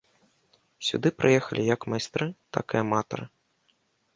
Сюды прыехалі як майстры, так і аматары.